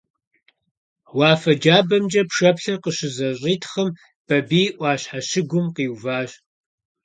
Уафэ джабэмкӀэ пшэплъыр къыщызэщӀитхъым, Бабий Ӏуащхьэ щыгум къиуващ.